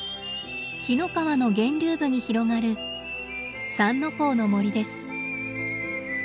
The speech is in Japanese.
紀の川の源流部に広がる「三之公の森」です。